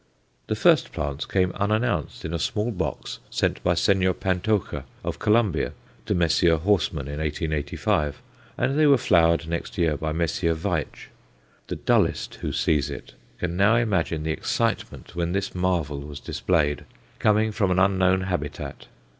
The first plants came unannounced in a small box sent by Señor Pantocha, of Colombia, to Messrs. Horsman in 1885, and they were flowered next year by Messrs. Veitch. The dullest who sees it can now imagine the excitement when this marvel was displayed, coming from an unknown habitat.